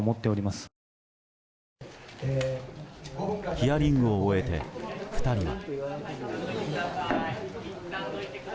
ヒアリングを終えて２人は。